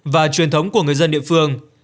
và truyền thống của người dân địa phương